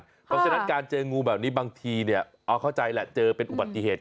เพราะฉะนั้นการเจองูแบบนี้บางทีเนี่ยเอาเข้าใจแหละเจอเป็นอุบัติเหตุ